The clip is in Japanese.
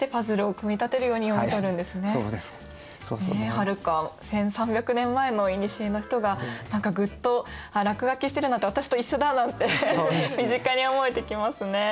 はるか１，３００年前のいにしえの人が何かぐっと「あっ落書きしてるなんて私と一緒だ」なんて身近に思えてきますね。